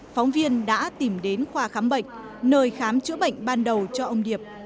phóng viên đã tìm đến khoa khám bệnh nơi khám chữa bệnh ban đầu cho ông điệp